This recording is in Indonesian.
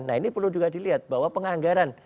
nah ini perlu juga dilihat bahwa penganggaran